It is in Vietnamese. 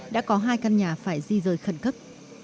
đã có hai căn nhà phải di rời khẩn cấp